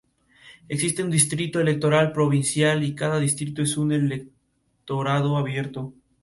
Existe un distrito electoral provincial y cada distrito es un electorado abierto.